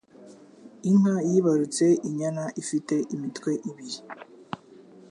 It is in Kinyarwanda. Inka yibarutse inyana ifite imitwe ibiri.